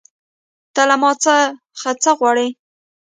ته له ما څخه څه غواړې